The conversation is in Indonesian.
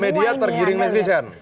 oh media tergiring netizen